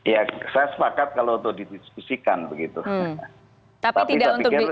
ya saya sepakat kalau untuk didiskusikan begitu